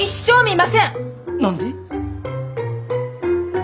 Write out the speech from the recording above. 何で？